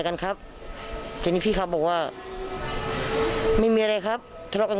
ก็แบบเท่าที่ก็ลองทำกัน